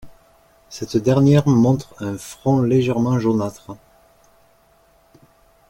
Cette dernière montre un front légèrement jaunâtre.